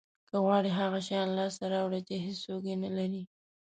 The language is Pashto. که غواړی هغه شیان لاسته راوړی چې هیڅوک یې نه لري